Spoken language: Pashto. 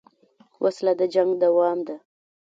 وسله د جنګ دوام ده